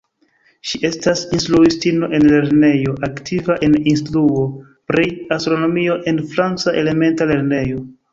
Ŝi estas instruistino en lernejo, aktiva en instruo pri astronomio en franca elementa lernejo.